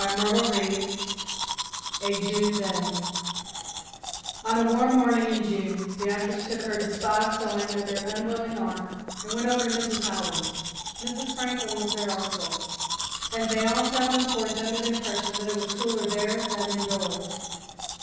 CHAPTER XI A JUNE DAY On a warm morning in June, Beatrice took her despised sewing under an unwilling arm and went over to Mrs. Howard's. Mrs. Franklin was there also, and they all sat on the porch, under the impression that it was cooler there than indoors.